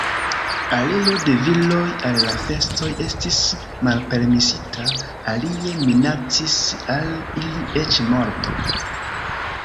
Aliro de viroj al la festoj estis malpermesita, alie minacis al ili eĉ morto.